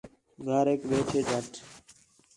گھریک ویہو جھٹ